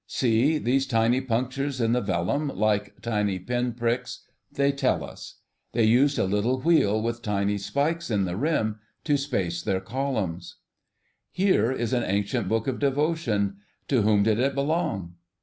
See, these tiny punctures in the vellum, like tiny pin pricks, tell us. They used a little wheel with tiny spikes in the rim, to space their columns. Here is an ancient book of devotion. To whom did it belong?